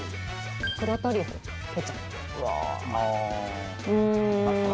黒トリュフケチャップ。